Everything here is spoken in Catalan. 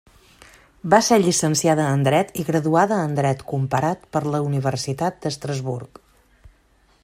Va ser llicenciada en Dret i graduada en Dret Comparat per la Universitat d'Estrasburg.